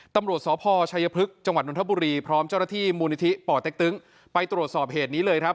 ตำรวจสพชัยพฤกษจังหวัดนทบุรีพร้อมเจ้าหน้าที่มูลนิธิป่อเต็กตึ้งไปตรวจสอบเหตุนี้เลยครับ